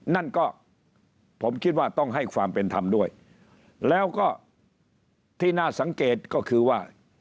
นั่นก็ผมคิดว่าต้องให้ความเป็นธรรมด้วยแล้วก็ที่น่าสังเกตก็คือว่า